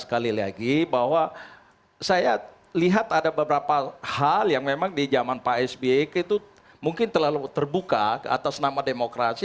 sekali lagi bahwa saya lihat ada beberapa hal yang memang di zaman pak sby itu mungkin terlalu terbuka atas nama demokrasi